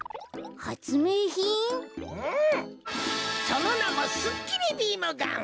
そのなもすっきりビームガン。